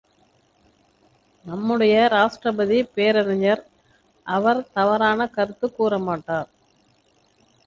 நம்முடைய ராஷ்டிரபதி பேரறிஞர், அவர் தவறான கருத்துக் கூறமாட்டார்.